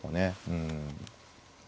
うん。